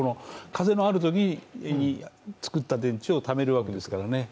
風のあるときに作った電池をためるわけですからね。